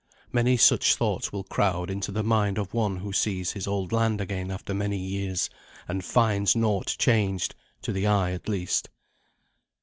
Many such thoughts will crowd into the mind of one who sees his old land again after many years, and finds naught changed, to the eye at least.